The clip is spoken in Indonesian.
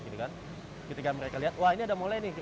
ketika mereka lihat wah ini ada molai nih